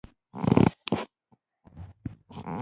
که یو څوک له مقام له سیمې بهر زېږېدلی وي.